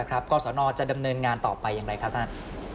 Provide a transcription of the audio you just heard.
กรสนจะดำเนินงานต่อไปอย่างไรครับท่าน